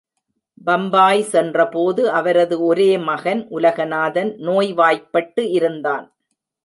பம்பாய் சென்றபோது, அவரது ஒரே மகன் உலகநாதன் நோய்வாய்பட்டு இருந்தான்.